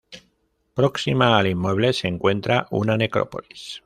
Próxima al inmueble se encuentra una necrópolis.